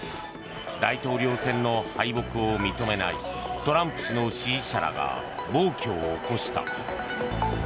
大統領選の敗北を認めないトランプ氏の支持者らが暴挙を起こした。